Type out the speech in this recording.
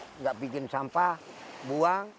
tidak bikin sampah buang